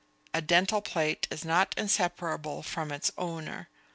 A dental plate is not inseparable from its owner.